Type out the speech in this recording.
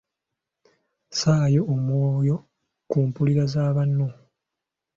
Ssaayo omwoyo ku mpulira za banno.